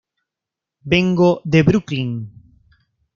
Vengo de Brooklyn!